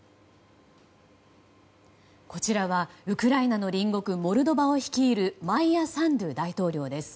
こちらはウクライナの隣国モルドバを率いるマイア・サンドゥ大統領です。